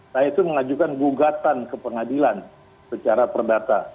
saya itu mengajukan gugatan ke pengadilan secara perdata